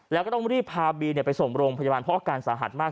แล้วก็ต้องรีบพาบีไปส่งโรงพยาบาลเพราะอาการสาหัสมาก